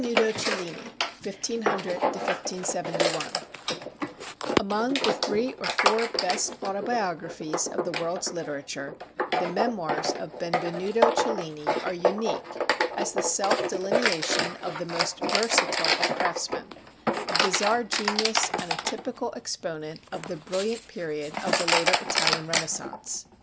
Translation of James Cranstoun. BENVENUTO CELLINI (1500 1571) Among the three or four best autobiographies of the world's literature, the 'Memoirs' of Benvenuto Cellini are unique as the self delineation of the most versatile of craftsmen, a bizarre genius, and a typical exponent of the brilliant period of the later Italian Renaissance.